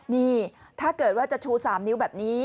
นี่ถ้าเกิดว่าจะชู๓นิ้วแบบนี้